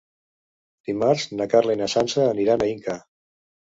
Dimarts na Carla i na Sança aniran a Inca.